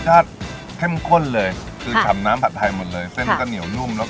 รสชาติเข้มข้นเลยคือข่ำน้ำผัดไทยหมดเลยเส้นก็เนียวนุ่มเชิง